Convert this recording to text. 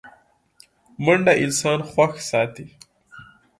منډه انسان خوښ ساتي